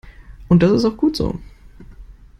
Und das ist auch gut so.